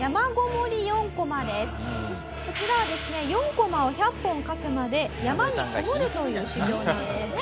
こちらはですね４コマを１００本描くまで山に籠もるという修業なんですね。